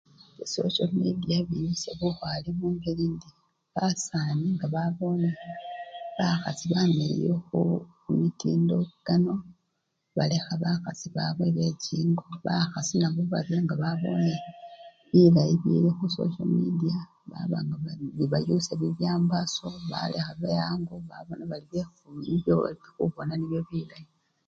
Bya sosyo mediya biyusya bukhwale mungeli indi, basani nga babonekho bakhasi bamiliyu khu! khumitindokano, balekha bakhasi babwe bechingo bakhasi nabo baryonga babone bilayi bili khusosyo mediya babanga bibayusya bibyambasyo balekha be-ango babana bari bekhumu! khubona bari nibyo bilayi.